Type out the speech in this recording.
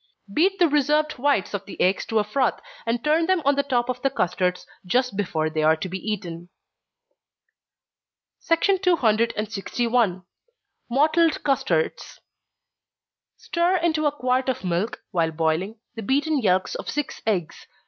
Beat the reserved whites of the eggs to a froth, and turn them on the top of the custards just before they are to be eaten. 261. Mottled Custards. Stir into a quart of milk, while boiling, the beaten yelks of six eggs.